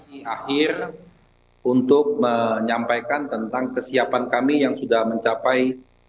ini akhir untuk menyampaikan tentang kesiapan kami yang sudah mencapai sembilan puluh delapan